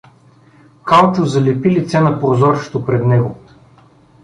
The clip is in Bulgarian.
Калчо залепи лице на прозорчето пред него.